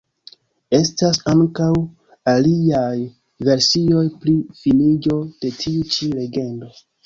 Estas ankaŭ aliaj versioj pri finiĝo de tiu ĉi legendo.